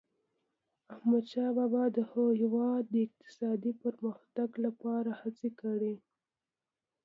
احمدشاه بابا د هیواد د اقتصادي پرمختګ لپاره هڅي کړي.